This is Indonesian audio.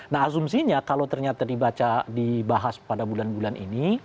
nah asumsinya kalau ternyata dibaca dibahas pada bulan bulan ini